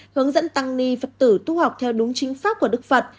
hướng dẫn tăng ni phật tử tu học theo đúng chính xác của đức phật